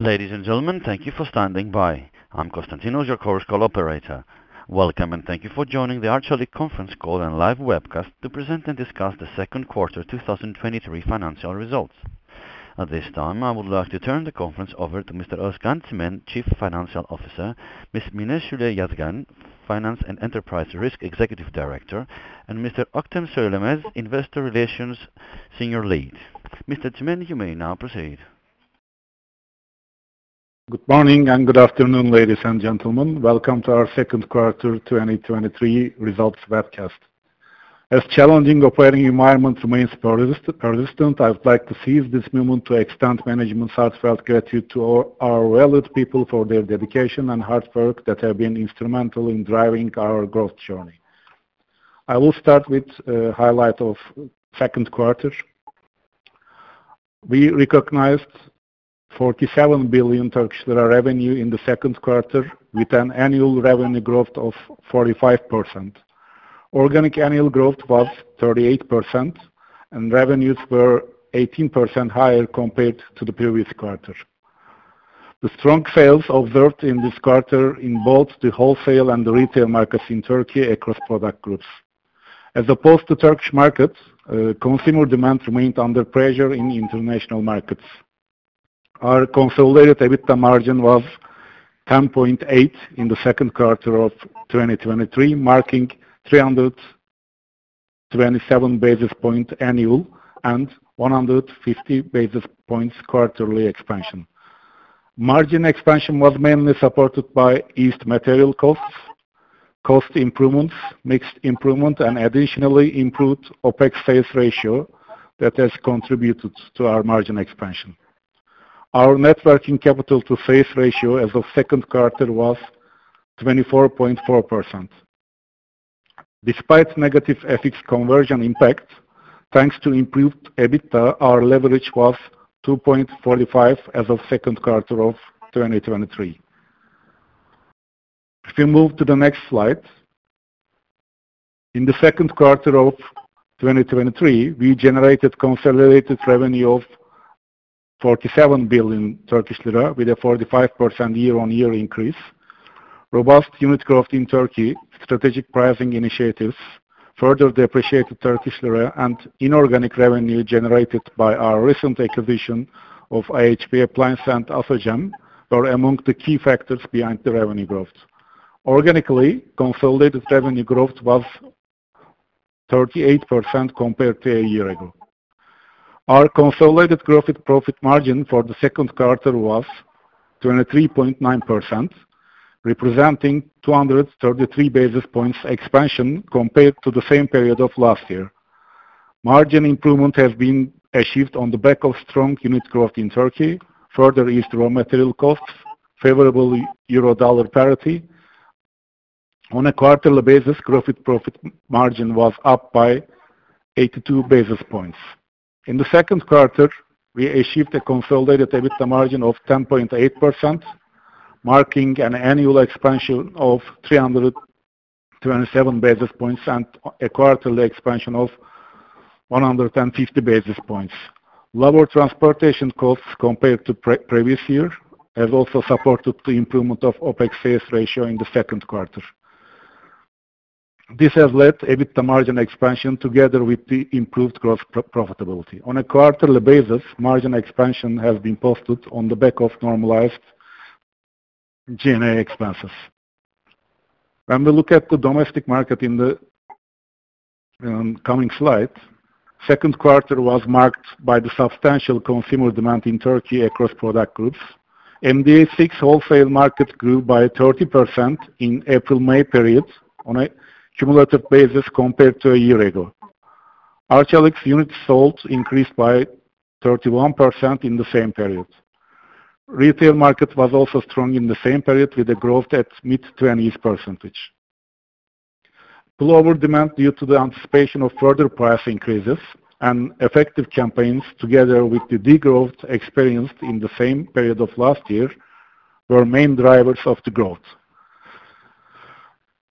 Ladies and gentlemen, thank you for standing by. I'm Konstantinos, your Chorus Call operator. Welcome, and thank you for joining the Arçelik conference call and live webcast to present and discuss the second quarter 2023 financial results. At this time, I would like to turn the conference over to Mr. Özkan Çimen, Chief Financial Officer, Ms. Mine Şule Yazgan, Finance and Enterprise Risk Executive Director, and Mr. Öktem Söylemez, Investor Relations Senior Lead. Mr. Çimen, you may now proceed. Good morning, and good afternoon, ladies and gentlemen. Welcome to our second quarter 2023 results webcast. As challenging operating environment remains persistent, I'd like to seize this moment to extend management's heartfelt gratitude to all our valued people for their dedication and hard work that have been instrumental in driving our growth journey. I will start with highlight of second quarter. We recognized 47 billion Turkish lira revenue in the second quarter, with an annual revenue growth of 45%. Organic annual growth was 38%, and revenues were 18% higher compared to the previous quarter. The strong sales observed in this quarter in both the wholesale and retail markets in Turkey across product groups. As opposed to Turkish market, consumer demand remained under pressure in international markets. Our consolidated EBITDA margin was 10.8 in the second quarter of 2023, marking 327 basis point annual and 150 basis points quarterly expansion. Margin expansion was mainly supported by East material costs, cost improvements, mixed improvement, and additionally improved OpEx sales ratio that has contributed to our margin expansion. Our net working capital to sales ratio as of second quarter was 24.4%. Despite negative FX conversion impact, thanks to improved EBITDA, our leverage was 2.45 as of second quarter of 2023. If you move to the next slide. In the second quarter of 2023, we generated consolidated revenue of 47 billion Turkish lira, with a 45% year-on-year increase. Robust unit growth in Turkey, strategic pricing initiatives, further depreciated Turkish lira and inorganic revenue generated by our recent acquisition of IHB Appliance and Asogem, were among the key factors behind the revenue growth. Organically, consolidated revenue growth was 38% compared to a year ago. Our consolidated growth profit margin for the second quarter was 23.9%, representing 233 basis points expansion compared to the same period of last year. Margin improvement has been achieved on the back of strong unit growth in Turkey, further East raw material costs, favorable euro-dollar parity. On a quarterly basis, profit margin was up by 82 basis points. In the second quarter, we achieved a consolidated EBITDA margin of 10.8%, marking an annual expansion of 327 basis points and a quarterly expansion of 150 basis points. Lower transportation costs compared to pre-previous year, has also supported the improvement of OPEX sales ratio in the second quarter. This has led EBITDA margin expansion together with the improved growth pro-profitability. On a quarterly basis, margin expansion has been posted on the back of normalized G&A expenses. When we look at the domestic market in the coming slide, second quarter was marked by the substantial consumer demand in Turkey across product groups. MDA six wholesale market grew by 30% in April-May period on a cumulative basis compared to a year ago. Arçelik's units sold increased by 31% in the same period. Retail market was also strong in the same period, with a growth at mid to east percentage. Lower demand due to the anticipation of further price increases and effective campaigns, together with the degrowth experienced in the same period of last year, were main drivers of the growth.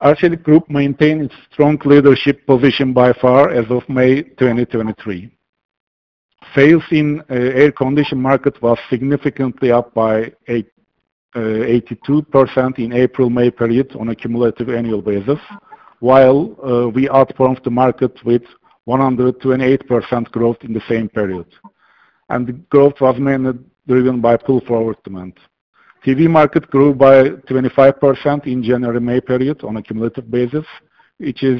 Arçelik Group maintained its strong leadership position by far as of May 2023. Sales in air condition market was significantly up by 82% in April-May period on a cumulative annual basis, while we outperformed the market with 128% growth in the same period. The growth was mainly driven by pull forward demand. TV market grew by 25% in January-May period on a cumulative basis, which is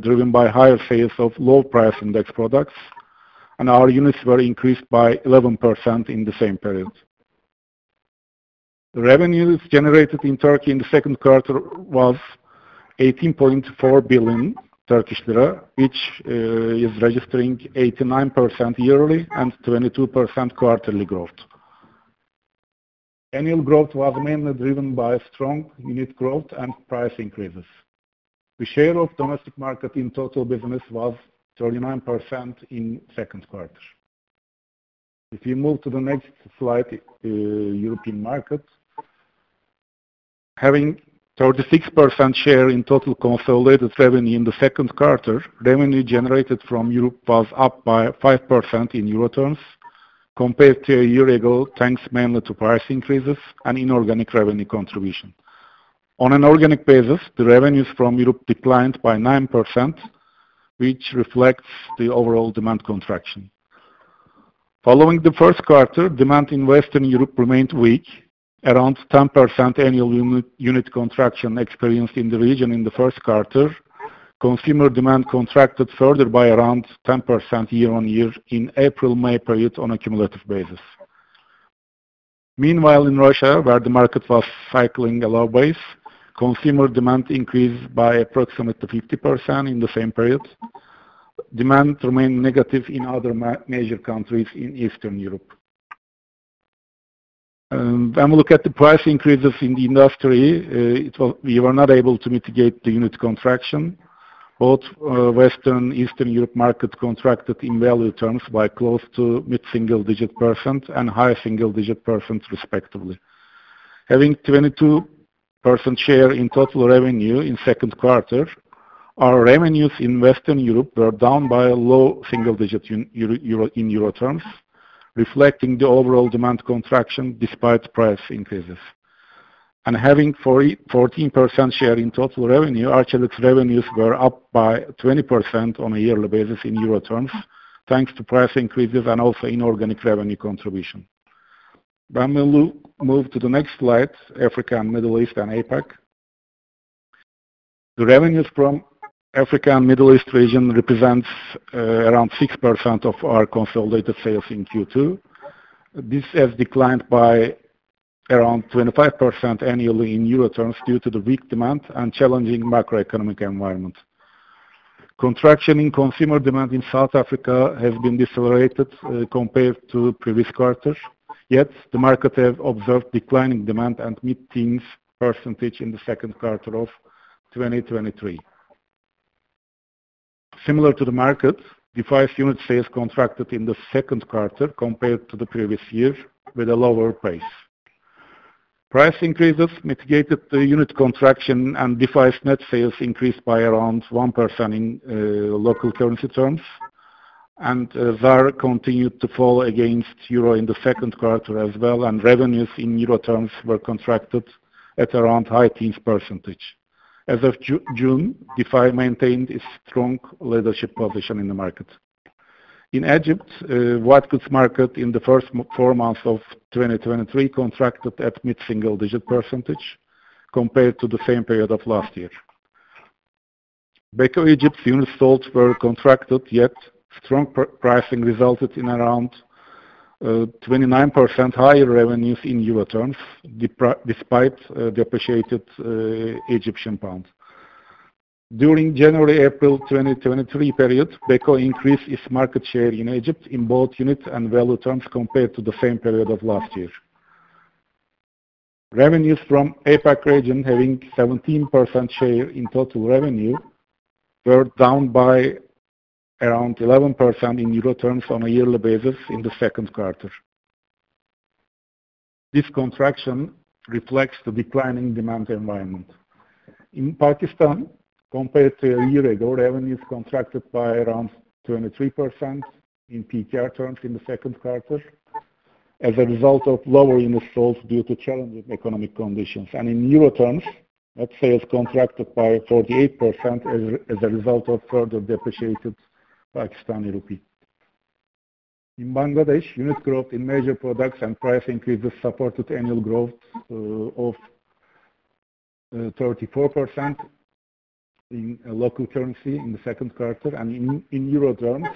driven by higher sales of low price index products, and our units were increased by 11% in the same period. The revenues generated in Turkey in the second quarter was 18.4 billion Turkish lira, which is registering 89% yearly and 22% quarterly growth. Annual growth was mainly driven by strong unit growth and price increases. The share of domestic market in total business was 39% in second quarter. If you move to the next slide, European market? Having 36% share in total consolidated revenue in the second quarter, revenue generated from Europe was up by 5% in EUR terms compared to a year ago, thanks mainly to price increases and inorganic revenue contribution. On an organic basis, the revenues from Europe declined by 9%, which reflects the overall demand contraction. Following the first quarter, demand in Western Europe remained weak, around 10% annual unit contraction experienced in the region in the first quarter. Consumer demand contracted further by around 10% year-on-year in April, May period on a cumulative basis. Meanwhile, in Russia, where the market was cycling a low base, consumer demand increased by approximately 50% in the same period. Demand remained negative in other major countries in Eastern Europe. We look at the price increases in the industry, we were not able to mitigate the unit contraction. Both, Western, Eastern Europe market contracted in value terms by close to mid-single digit percent and high single digit percent respectively. Having 22% share in total revenue in second quarter, our revenues in Western Europe were down by a low single digit in EUR, in EUR terms, reflecting the overall demand contraction despite price increases. Having 14% share in total revenue, Arçelik's revenues were up by 20% on a yearly basis in EUR terms, thanks to price increases and also inorganic revenue contribution. move to the next slide, Africa and Middle East and APAC. The revenues from Africa and Middle East region represents around 6% of our consolidated sales in Q2. This has declined by around 25% annually in EUR terms, due to the weak demand and challenging macroeconomic environment. Contraction in consumer demand in South Africa has been decelerated compared to previous quarters, yet the market have observed declining demand and mid-teens percentage in the second quarter of 2023. Similar to the market, Defy's unit sales contracted in the second quarter compared to the previous year with a lower price. Price increases mitigated the unit contraction. Defy's net sales increased by around 1% in local currency terms. ZAR continued to fall against EUR in the second quarter as well. Revenues in EUR terms were contracted at around high teens percent. As of June, Defy maintained its strong leadership position in the market. In Egypt, white goods market in the four months of 2023 contracted at mid-single digit recent compared to the same period of last year. Beko Egypt unit sales were contracted, yet strong pricing resulted in around 29% higher revenues in EUR terms, despite depreciated EGP. During January, April 2023 period, Beko increased its market share in Egypt in both unit and value terms compared to the same period of last year. Revenues from APAC region, having 17% share in total revenue, were down by around 11% in EUR terms on a yearly basis in the second quarter. This contraction reflects the declining demand environment. In Pakistan, compared to a year ago, revenues contracted by around 23% in PKR terms in the second quarter, as a result of lower unit sales due to challenging economic conditions. In EUR terms, net sales contracted by 48% as a result of further depreciated Pakistani rupee. In Bangladesh, unit growth in major products and price increases supported annual growth of 34% in local currency in the second quarter, in EUR terms,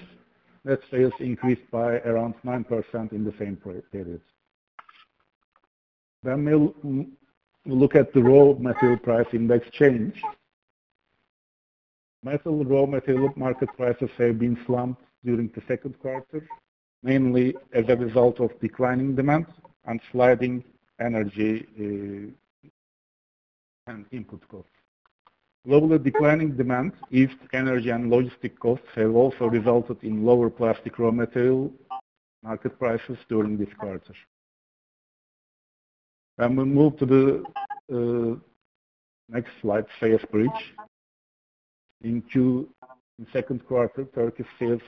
net sales increased by around 9% in the same period. We'll look at the raw material price index change. Metal raw material market prices have been slumped during the second quarter, mainly as a result of declining demand and sliding energy and input costs. Globally, declining demand, east energy and logistic costs have also resulted in lower plastic raw material market prices during this quarter. We move to the next slide, sales bridge. In second quarter, Turkish sales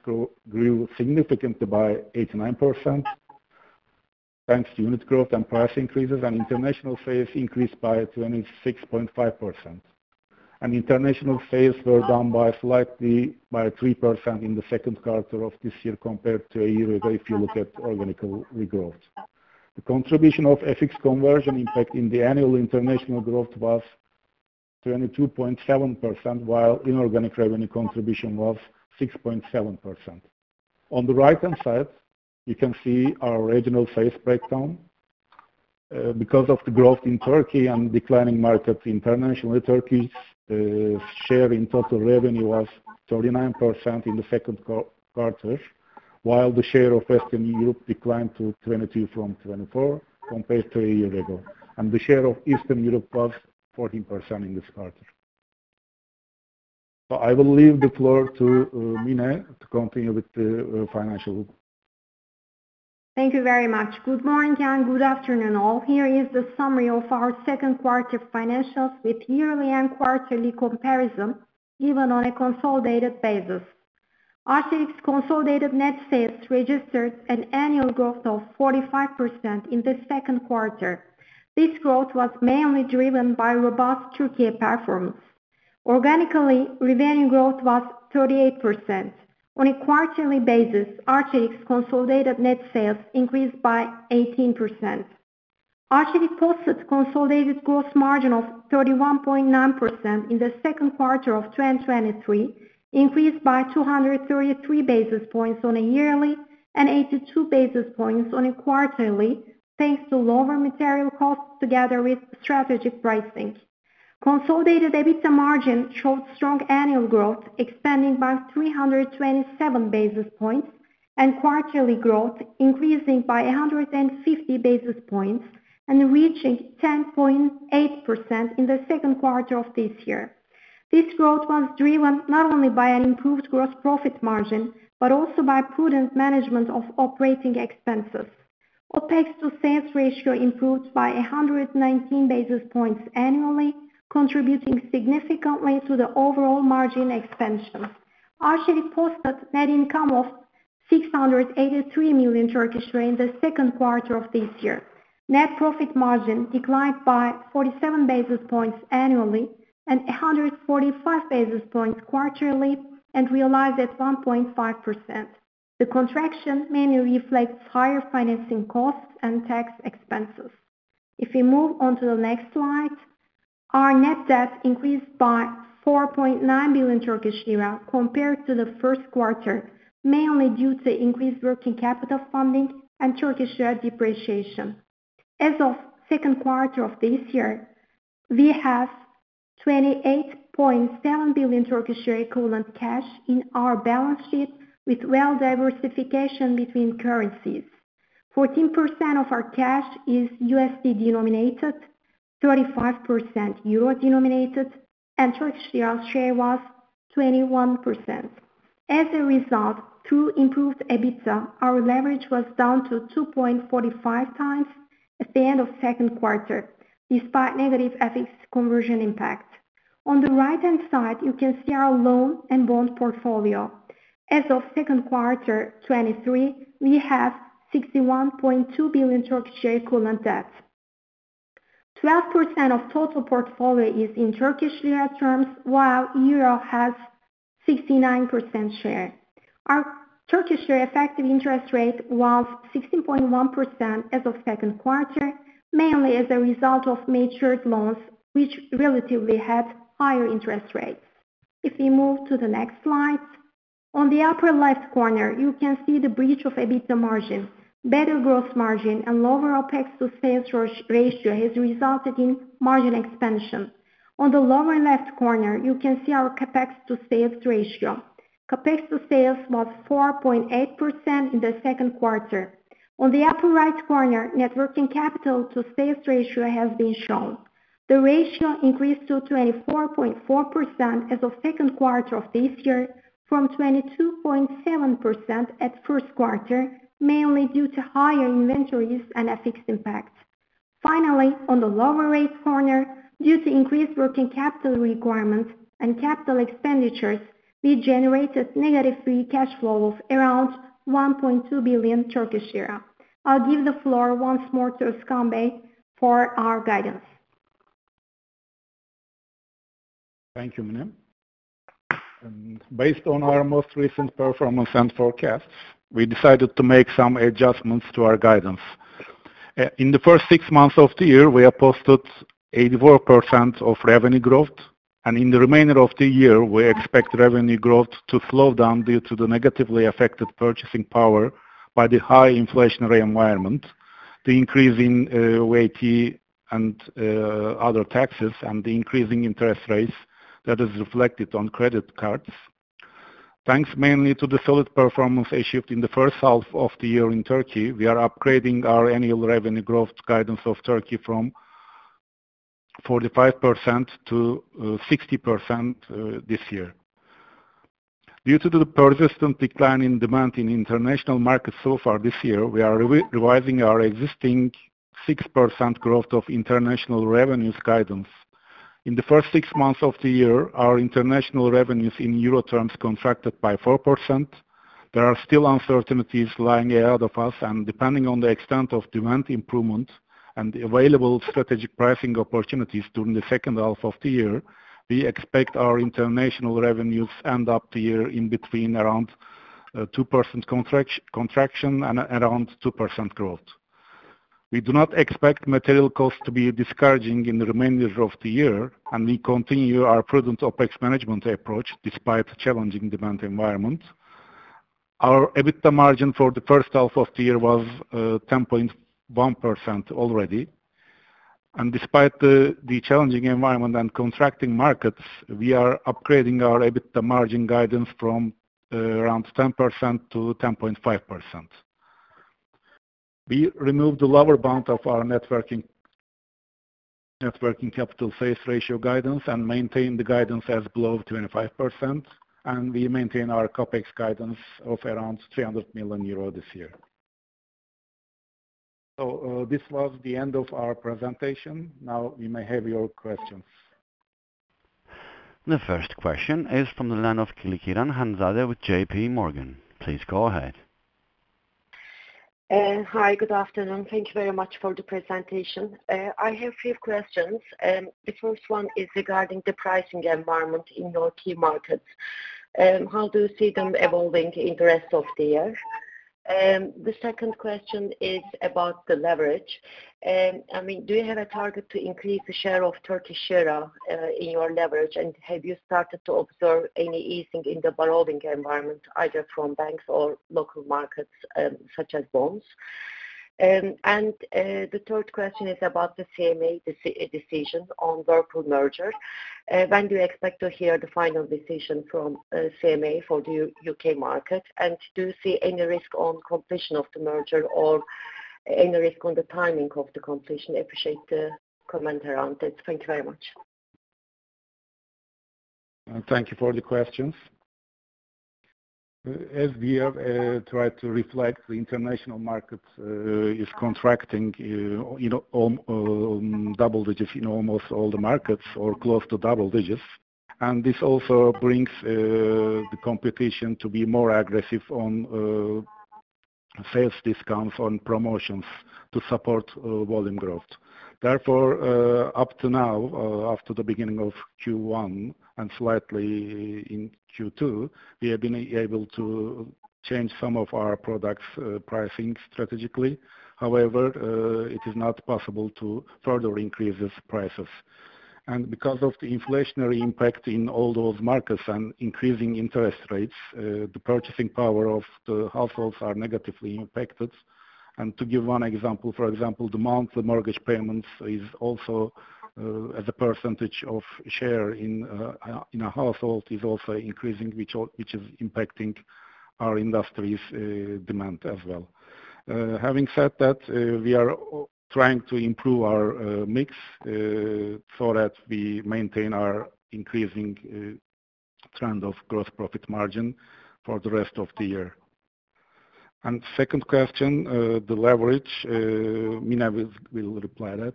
grew significantly by 89%, thanks to unit growth and price increases. International sales increased by 26.5%. International sales were down by slightly by 3% in the second quarter of this year compared to a year ago, if you look at organic growth. The contribution of FX conversion, in fact, in the annual international growth was 22.7%, while inorganic revenue contribution was 6.7%. On the right-hand side, you can see our regional sales breakdown. Because of the growth in Turkey and declining markets internationally, Turkey's share in total revenue was 39% in the second quarter, while the share of Western Europe declined to 22 from 24 compared to a year ago, and the share of Eastern Europe was 14% in this quarter. I will leave the floor to Mine to continue with the financial. Thank you very much. Good morning, and good afternoon, all. Here is the summary of our second quarter financials with yearly and quarterly comparison, given on a consolidated basis. Arçelik's consolidated net sales registered an annual growth of 45% in the second quarter. This growth was mainly driven by robust Turkey performance. Organically, revenue growth was 38%. On a quarterly basis, Arçelik's consolidated net sales increased by 18%. Arçelik posted consolidated gross margin of 31.9% in the second quarter of 2023, increased by 233 basis points on a yearly and 82 basis points on a quarterly, thanks to lower material costs together with strategic pricing. Consolidated EBITDA margin showed strong annual growth, expanding by 327 basis points, and quarterly growth increasing by 150 basis points and reaching 10.8% in the second quarter of this year. This growth was driven not only by an improved gross profit margin, but also by prudent management of operating expenses. OpEx to sales ratio improved by 119 basis points annually, contributing significantly to the overall margin expansion. Arçelik posted net income of 683 million in the second quarter of this year. Net profit margin declined by 47 basis points annually and 145 basis points quarterly, and realized at 1.5%. The contraction mainly reflects higher financing costs and tax expenses. If we move on to the next slide, our net debt increased by 4.9 billion Turkish lira compared to the first quarter, mainly due to increased working capital funding and Turkish lira depreciation. As of second quarter of this year, we have 28.7 billion equivalent cash in our balance sheet, with well diversification between currencies. 14% of our cash is USD denominated, 35% EUR denominated, and Turkish lira share was 21%. As a result, through improved EBITDA, our leverage was down to 2.45x at the end of second quarter, despite negative FX conversion impact. On the right-hand side, you can see our loan and bond portfolio. As of second quarter 2023, we have 61.2 billion TRY equivalent debt. 12% of total portfolio is in Turkish lira terms, while EUR has 69% share. Our Turkish lira effective interest rate was 16.1% as of second quarter, mainly as a result of matured loans, which relatively had higher interest rates. If we move to the next slide, on the upper left corner, you can see the bridge of EBITDA margin. Better gross margin and lower OpEx to sales ratio has resulted in margin expansion. On the lower left corner, you can see our CapEx to sales ratio. CapEx to sales was 4.8% in the second quarter. On the upper right corner, net working capital to sales ratio has been shown. The ratio increased to 24.4% as of second quarter of this year, from 22.7% at first quarter, mainly due to higher inventories and FX impact. Finally, on the lower right corner, due to increased working capital requirements and capital expenditures, we generated negative free cash flow of around 1.2 billion Turkish lira. I'll give the floor once more to Özkan Bey for our guidance. Thank you, Mine. Based on our most recent performance and forecast, we decided to make some adjustments to our guidance. In the first sxi months of the year, we have posted 84% of revenue growth, and in the remainder of the year, we expect revenue growth to slow down due to the negatively affected purchasing power by the high inflationary environment, the increase in VAT and other taxes, and the increasing interest rates that is reflected on credit cards. Thanks mainly to the solid performance achieved in the first half of the year in Turkey, we are upgrading our annual revenue growth guidance of Turkey from 45% to 60% this year. Due to the persistent decline in demand in international markets so far this year, we are revising our existing 6% growth of international revenues guidance. In the first six months of the year, our international revenues in euro terms contracted by 4%. There are still uncertainties lying ahead of us, depending on the extent of demand improvement and the available strategic pricing opportunities during the second half of the year, we expect our international revenues end up the year in between around 2% contraction and around 2% growth. We do not expect material costs to be discouraging in the remainder of the year, we continue our prudent OpEx management approach, despite the challenging demand environment. Our EBITDA margin for the first half of the year was 10.1% already, despite the challenging environment and contracting markets, we are upgrading our EBITDA margin guidance from around 10%-10.5%. We removed the lower bound of our net working capital sales ratio guidance, and maintained the guidance as below 25%, and we maintain our CapEx guidance of around 300 million euro this year. This was the end of our presentation. Now you may have your questions. The first question is from the line of Hanzade Kılıçkıran with JPMorgan. Please go ahead. Hi, good afternoon. Thank you very much for the presentation. I have few questions, the first one is regarding the pricing environment in your key markets. How do you see them evolving in the rest of the year? The second question is about the leverage. I mean, do you have a target to increase the share of Turkish lira in your leverage? Have you started to observe any easing in the borrowing environment, either from banks or local markets, such as bonds? The third question is about the CMA decisions on Whirlpool merger. When do you expect to hear the final decision from CMA for the U.K. market? Do you see any risk on completion of the merger or any risk on the timing of the completion? I appreciate the comment around it. Thank you very much. Thank you for the questions. As we have tried to reflect, the international market is contracting in a double digits in almost all the markets or close to double digits. This also brings the competition to be more aggressive on sales discounts, on promotions to support volume growth. Therefore, up to now, after the beginning of Q1 and slightly in Q2, we have been able to change some of our products pricing strategically. However, it is not possible to further increase these prices. Because of the inflationary impact in all those markets and increasing interest rates, the purchasing power of the households are negatively impacted. To give one example, for example, the month, the mortgage payments is also as a percentage of share in a household, is also increasing, which is impacting our industry's demand as well. Having said that, we are trying to improve our mix so that we maintain our increasing trend of gross profit margin for the rest of the year. Second question, the leverage, Mina will reply that.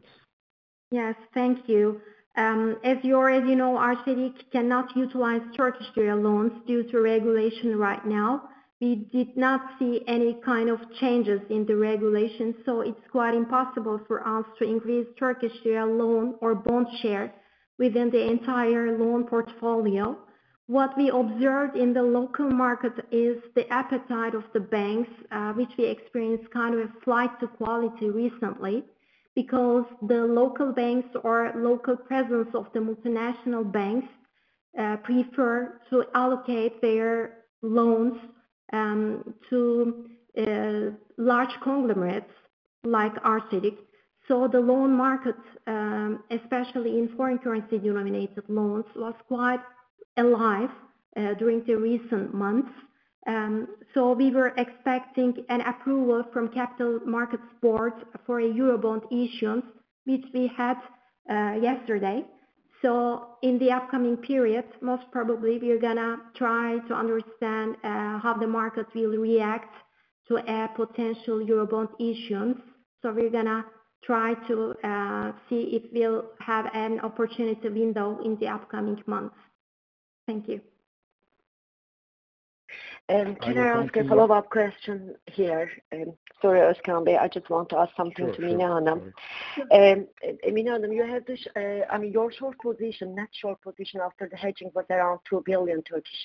Yes, thank you. As you already know, Arçelik cannot utilize Turkish lira loans due to regulation right now. We did not see any kind of changes in the regulation, it's quite impossible for us to increase Turkish lira loan or bond share within the entire loan portfolio. What we observed in the local market is the appetite of the banks, which we experienced kind of a flight to quality recently, because the local banks or local presence of the multinational banks prefer to allocate their loans to large conglomerates like Arçelik. The loan markets, especially in foreign currency-denominated loans, was quite alive during the recent months. We were expecting an approval from Capital Markets Board for a Eurobond issuance, which we had yesterday. In the upcoming period, most probably, we are gonna try to understand how the market will react to a potential Eurobond issuance. We're gonna try to see if we'll have an opportunity window in the upcoming months. Thank you. Can I ask a follow-up question here? Sorry, Özkan, I just want to ask something to Mine Hanim. Sure, sure. Mine Hanim, you have this, I mean, your short position, net short position after the hedging was around 2 billion,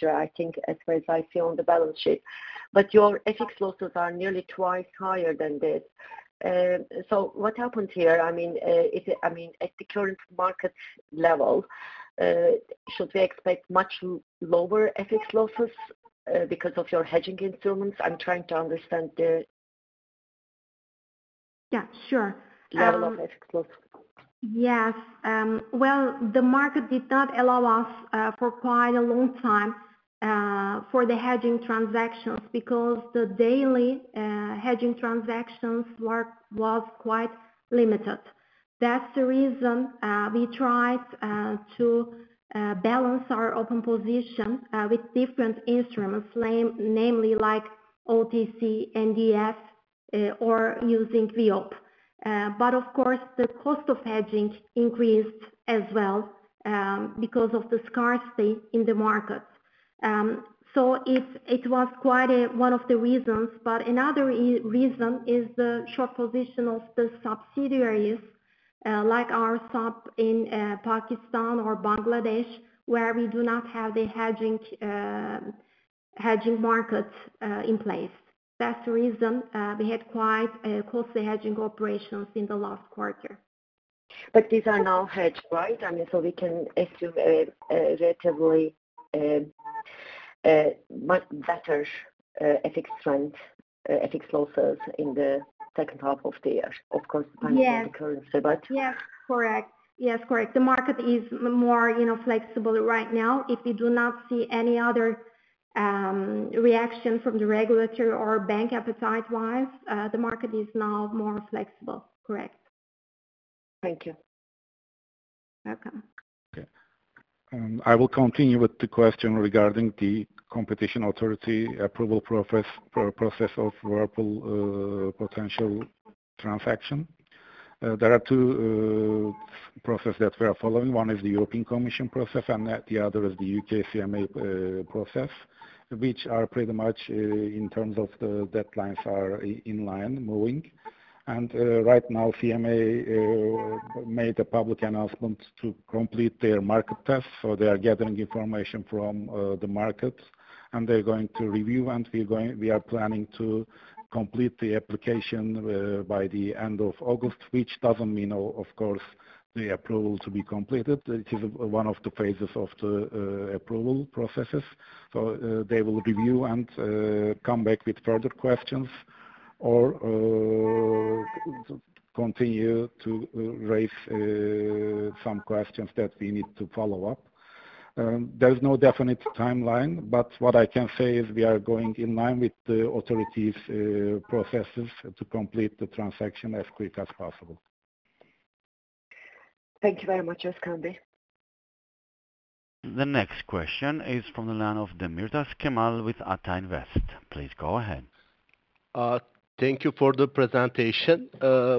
I think, as far as I see on the balance sheet, but your FX losses are nearly twice higher than this. What happened here? I mean, at the current market level, should we expect much lower FX losses, because of your hedging instruments? I'm trying to understand the-. Yeah, sure. Level of FX losses. Yes. The market did not allow us for quite a long time for the hedging transactions because the daily hedging transactions was quite limited. That's the reason we tried to balance our open position with different instruments, namely, like OTC, NDF, or using VOP. Of course, the cost of hedging increased as well because of the scarcity in the market. It was quite one of the reasons. Another reason is the short position of the subsidiaries, like our sub in Pakistan or Bangladesh, where we do not have the hedging market in place. That's the reason we had quite costly hedging operations in the last quarter. These are now hedged, right? I mean, we can assume a relatively, a much better FX trend, FX losses in the second half of the year. Of course, depending on the currency. Yes, correct. Yes, correct. The market is more, you know, flexible right now. If we do not see any other, reaction from the regulatory or bank appetite-wise, the market is now more flexible. Correct. Thank you. Welcome. Okay. I will continue with the question regarding the competition authority approval process of Whirlpool potential transaction. There are two process that we are following. One is the European Commission process, the other is the U.K. CMA process, which are pretty much in terms of the deadlines are in line moving. Right now, CMA made a public announcement to complete their market test. They are gathering information from the market, they're going to review, we are planning to complete the application by the end of August, which doesn't mean, of course, the approval to be completed. It is one of the phases of the approval processes. They will review and come back with further questions or continue to raise some questions that we need to follow up. There's no definite timeline, but what I can say is we are going in line with the authorities' processes to complete the transaction as quick as possible. Thank you very much, Özkan Bey. The next question is from the line of the Cemal Demirtas with Ata Invest. Please go ahead. Thank you for the presentation.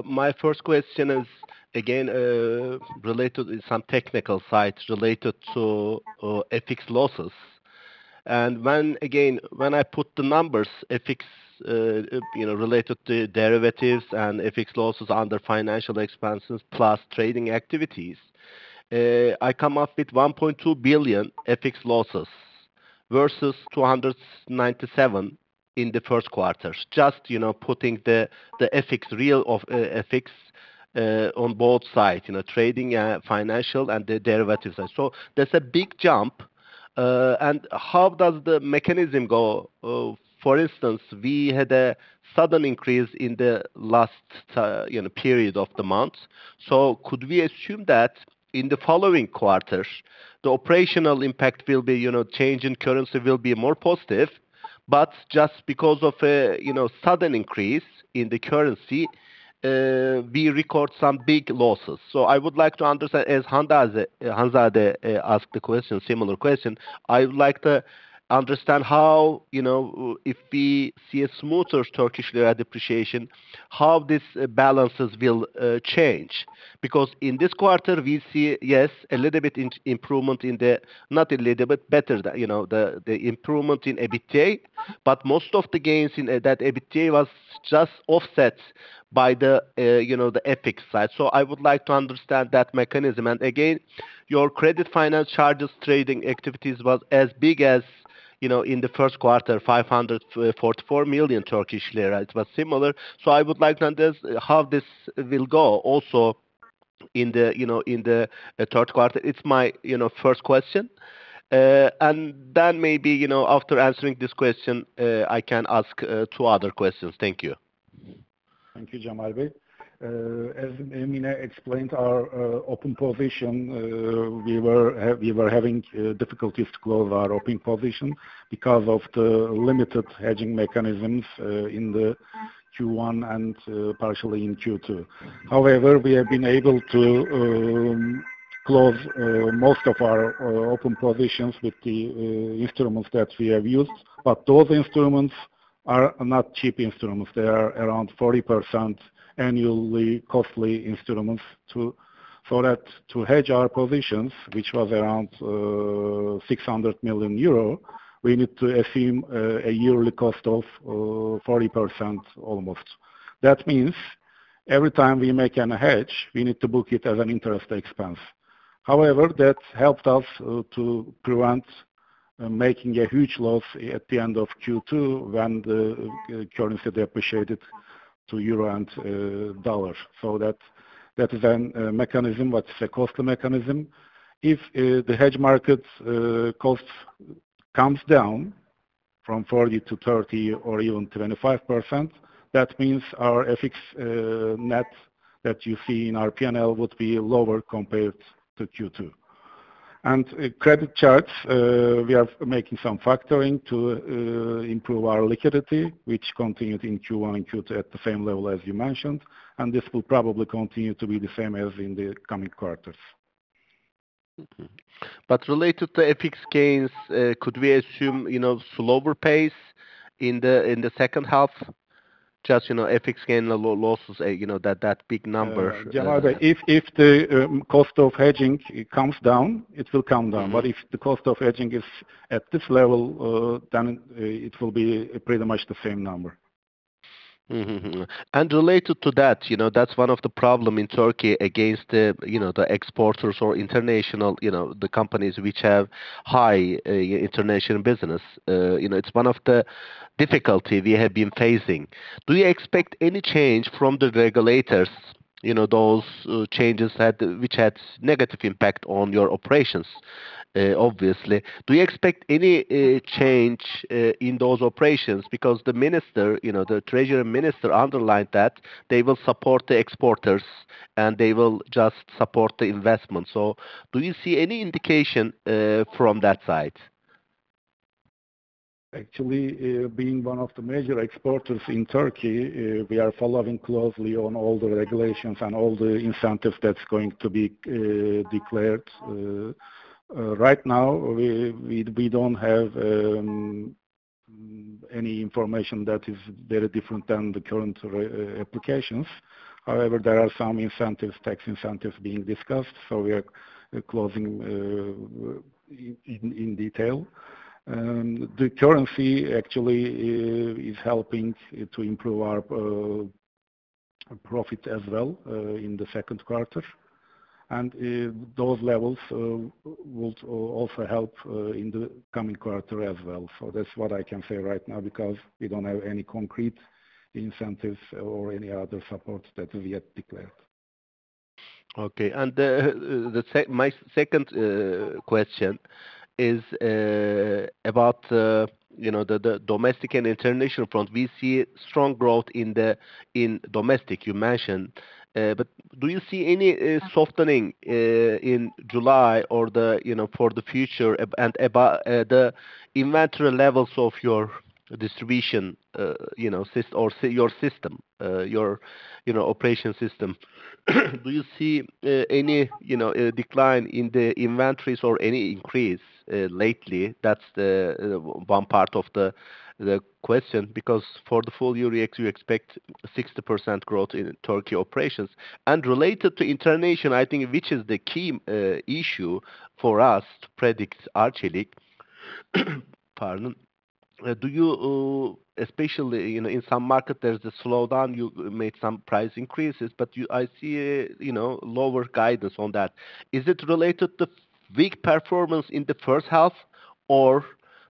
My first question is, again, related in some technical sites, related to FX losses. When, again, when I put the numbers, FX, you know, related to derivatives and FX losses under financial expenses plus trading activities, I come up with 1.2 billion FX losses versus 297 in the first quarter. Just, you know, putting the FX real of FX on both sides, you know, trading, financial and the derivatives. That's a big jump. How does the mechanism go? For instance, we had a sudden increase in the last, you know, period of the month. Could we assume that in the following quarters, the operational impact will be, you know, change in currency will be more positive, but just because of a, you know, sudden increase in the currency, we record some big losses? I would like to understand, as Hanzade asked the question, similar question, I would like to understand how, you know, if we see a smoother Turkish lira depreciation, how these balances will change. In this quarter we see, yes, a little bit improvement in the... Not a little bit, better, than you know, the improvement in EBITDA, but most of the gains in that EBITDA was just offset by the, you know, the FX side. I would like to understand that mechanism. Again, your credit finance charges trading activities was as big as, you know, in the first quarter, 544 million Turkish lira. It was similar. I would like to understand how this will go also in the, you know, in the third quarter. It's my, you know, first question. Then maybe, after answering this question, I can ask two other questions. Thank you. Thank you, Cemal Bey. As Mine explained, our open position, we were having difficulties to close our open position because of the limited hedging mechanisms in the Q1 and partially in Q2. We have been able to close most of our open positions with the instruments that we have used, but those instruments are not cheap instruments. They are around 40% annually costly instruments. To hedge our positions, which was around 600 million euro, we need to assume a yearly cost of 40% almost. That means every time we make an hedge, we need to book it as an interest expense. That helped us to prevent making a huge loss at the end of Q2 when the currency depreciated to euro and dollar. That is an mechanism, but it's a costly mechanism. If the hedge market cost comes down from 40%-30% or even 25%, that means our FX net that you see in our P&L would be lower compared to Q2. Credit charge, we are making some factoring to improve our liquidity, which continued in Q1 and Q2 at the same level as you mentioned, and this will probably continue to be the same as in the coming quarters. Related to FX gains, could we assume, you know, slower pace in the second half? Just, you know, FX gain and losses, you know, that big number. Cemal Bey, if the cost of hedging comes down, it will come down. If the cost of hedging is at this level, then, it will be pretty much the same number. Mm-hmm. Related to that, you know, that's one of the problem in Turkey against the, you know, the exporters or international, you know, the companies which have high international business. You know, it's one of the difficulty we have been facing. Do you expect any change from the regulators, you know, those changes which had negative impact on your operations, obviously? Do you expect any change in those operations? Because the minister, you know, the treasury minister underlined that they will support the exporters, and they will just support the investment. Do you see any indication from that side? Actually, being one of the major exporters in Turkey, we are following closely on all the regulations and all the incentives that's going to be declared. Right now, we don't have any information that is very different than the current applications. However, there are some incentives, tax incentives being discussed, we are closing in detail. The currency actually is helping to improve our profit as well, in the second quarter. Those levels would also help in the coming quarter as well. That's what I can say right now, because we don't have any concrete incentives or any other supports that we have declared. Okay. My second question is about the, you know, the domestic and international front. We see strong growth in the domestic, you mentioned. But do you see any softening in July or the, you know, for the future? About the inventory levels of your distribution, you know, system, your, you know, operation system, do you see any, you know, decline in the inventories or any increase lately? That's the one part of the question, because for the full year, you expect 60% growth in Turkey operations. Related to international, I think, which is the key issue for us to predict actually. Pardon. Do you, especially, you know, in some market there's a slowdown, you made some price increases, but I see, you know, lower guidance on that. Is it related to weak performance in the first half, or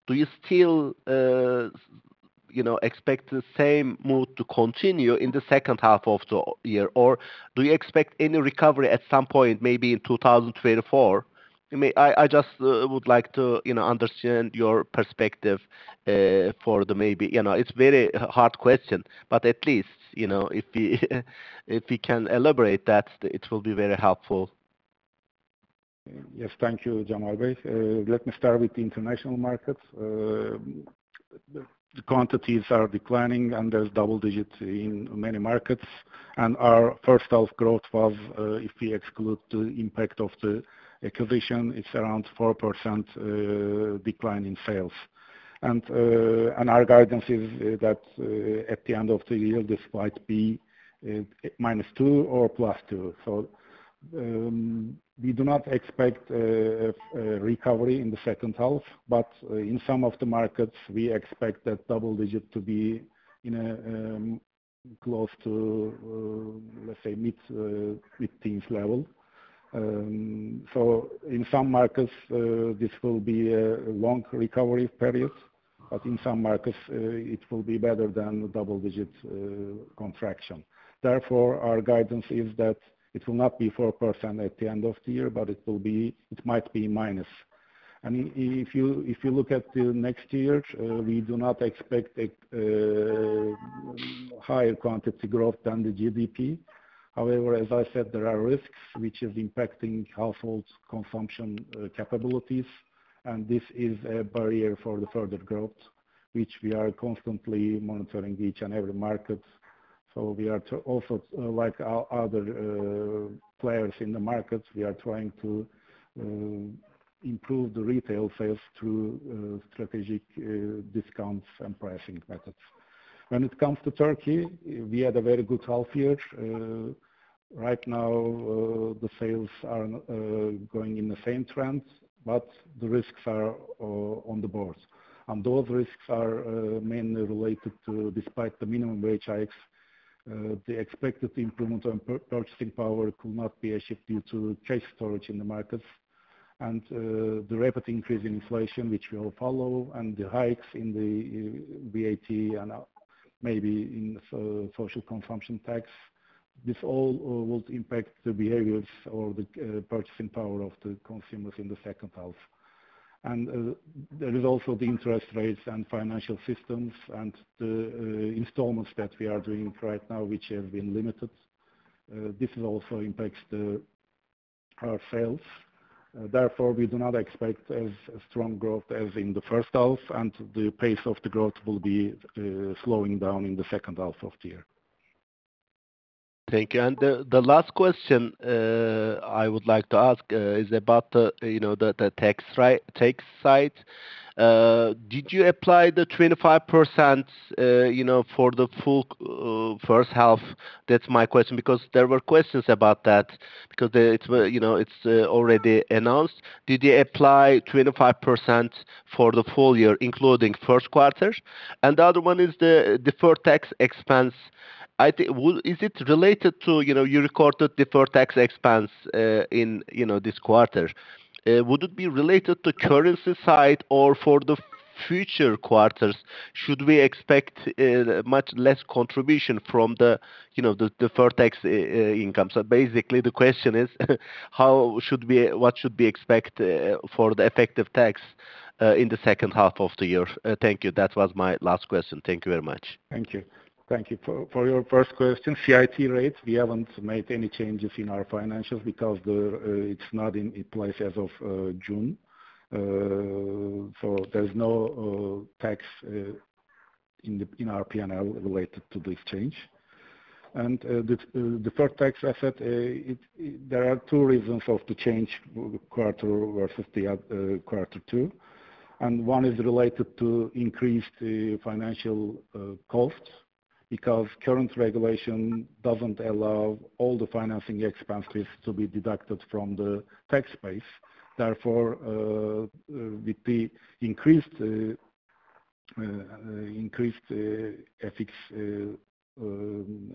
do you still, you know, expect the same mood to continue in the second half of the year? Or do you expect any recovery at some point, maybe in 2024? I mean, I just, would like to, you know, understand your perspective, for the maybe... You know, it's very hard question, but at least, you know, if we, if we can elaborate that, it will be very helpful. Yes. Thank you, Cemal Bey. Let me start with the international markets. The quantities are declining, and there's double digits in many markets, and our first half growth was, if we exclude the impact of the acquisition, it's around 4% decline in sales. Our guidance is that at the end of the year, this might be -2% or +2%. We do not expect recovery in the second half, but in some of the markets we expect that double digit to be in a close to, let's say, mid-teens level. In some markets, this will be a long recovery period, but in some markets, it will be better than a double-digit contraction. Therefore, our guidance is that it will not be 4% at the end of the year, but it might be minus. If you look at the next year, we do not expect a higher quantity growth than the GDP. However, as I said, there are risks which is impacting households' consumption capabilities, and this is a barrier for the further growth, which we are constantly monitoring each and every market. We are also, like other players in the market, we are trying to improve the retail sales through strategic discounts and pricing methods. When it comes to Turkey, we had a very good half year. Right now, the sales are going in the same trend, but the risks are on the board. Those risks are mainly related to, despite the minimum wage hikes, the expected improvement on purchasing power could not be achieved due to trade storage in the markets. The rapid increase in inflation, which will follow, and the hikes in the VAT and maybe in Special Consumption Tax. This all will impact the behaviors or the purchasing power of the consumers in the second half. There is also the interest rates and financial systems and the installments that we are doing right now, which have been limited. This is also impacts the, our sales. Therefore, we do not expect as a strong growth as in the first half, and the pace of the growth will be slowing down in the second half of the year. Thank you. The last question I would like to ask is about the, you know, the tax side. Did you apply the 25%, you know, for the full first half? That's my question, because there were questions about that, because it's, you know, it's already announced. Did you apply 25% for the full year, including first quarter? The other one is the tax expense. I think, well, is it related to, you know, you recorded deferred tax expense in, you know, this quarter. Would it be related to currency side or for the future quarters? Should we expect much less contribution from the, you know, the tax income? Basically, the question is, what should we expect for the effective tax in the second half of the year? Thank you. That was my last question. Thank you very much. Thank you. Thank you. For your first question, CIT rates, we haven't made any changes in our financials because it's not in place as of June. So there's no tax in our P&L related to this change. The first tax asset, there are two reasons of the change quarter versus quarter two, one is related to increased financial costs, because current regulation doesn't allow all the financing expenses to be deducted from the tax base. Therefore, with the increased FX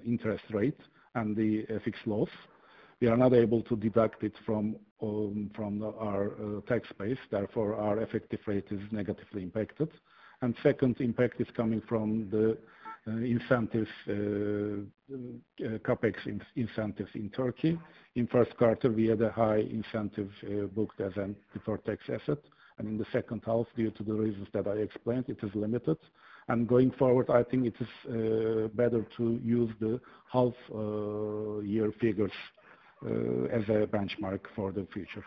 interest rate and the FX loss, we are not able to deduct it from our tax base, therefore, our effective rate is negatively impacted. Second impact is coming from the incentives, CapEx incentives in Turkey. In first quarter, we had a high incentive, booked as an before-tax asset, and in the second half, due to the reasons that I explained, it is limited. Going forward, I think it is better to use the half year figures as a benchmark for the future.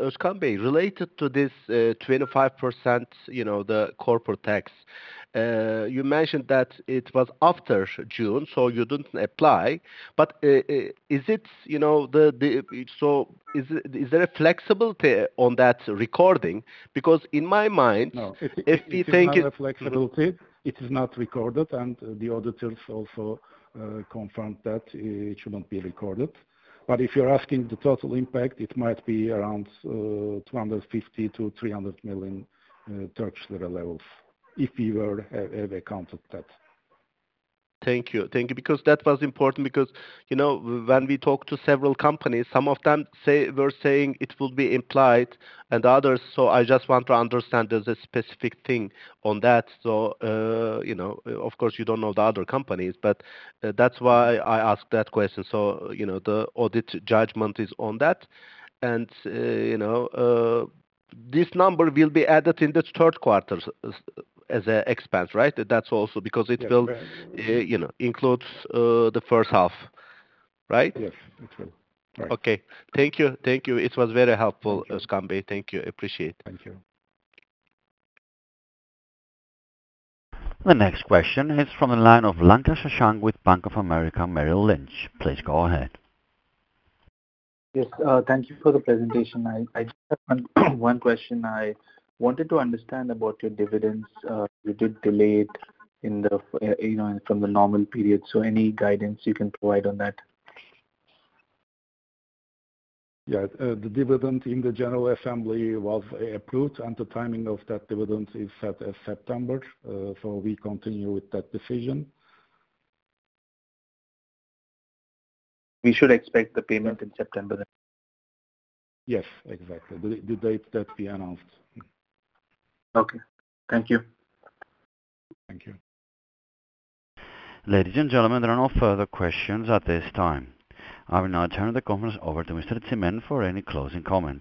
Özkan Bey, related to this 25%, you know, the corporate tax, you mentioned that it was after June, so you didn't apply. Is it, you know, there a flexibility on that recording? Because in my mind- No. If we think. It's not a flexibility. It is not recorded, and the auditors also confirmed that it should not be recorded. If you're asking the total impact, it might be around 250 million-300 million, Turkish lira levels, if we were have accounted that. Thank you. Thank you, because that was important, because, you know, when we talked to several companies, some of them were saying it will be implied and others... I just want to understand, there's a specific thing on that. You know, of course, you don't know the other companies, but that's why I asked that question. You know, the audit judgment is on that, and, you know, this number will be added in the third quarter as a expense, right? That's also because it will- Yes. you know, includes, the first half, right? Yes, it will. Right. Okay. Thank you. Thank you. It was very helpful, Özkan Bey. Thank you. Thank you. Appreciate it. Thank you. The next question is from the line of Latha Krishnan with Bank of America Merrill Lynch. Please go ahead. Yes, thank you for the presentation. I just have one question. I wanted to understand about your dividends. You did delay it in the, you know, from the normal period, so any guidance you can provide on that? Yeah, the dividend in the general assembly was approved, and the timing of that dividend is set as September, so we continue with that decision. We should expect the payment in September then? Yes, exactly. The date that we announced. Okay. Thank you. Thank you. Ladies and gentlemen, there are no further questions at this time. I will now turn the conference over to Mr. Çimen for any closing comments.